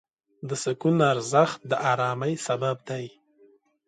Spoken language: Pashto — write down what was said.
د سکون ارزښت د آرامۍ سبب دی.